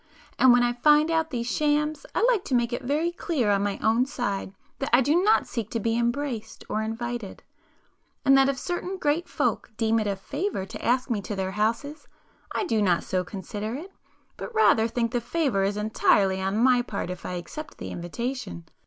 And when I find out these shams, I like to make it very clear on my own side that I do not seek to be embraced or invited, and that if certain great folks deem it a 'favour' to ask me to their houses, I do not so consider it, but rather think the 'favour' is entirely on my part if I accept the invitation.